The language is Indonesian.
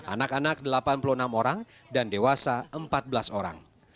anak anak delapan puluh enam orang dan dewasa empat belas orang